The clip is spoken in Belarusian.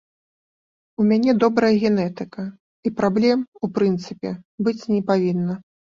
У мяне добрая генетыка, і праблем, у прынцыпе, быць не павінна.